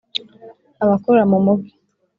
abakora mu mugi